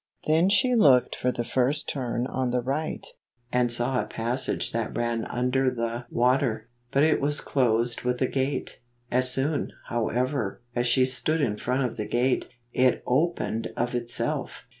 Then she looked for the first turn on the right, and saw a passage that ran under the i8 »9 water, but it was closed with a gate. As soon, however, as she stood in front of the gate, it opened cf itself.